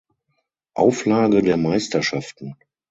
Auflage der Meisterschaften.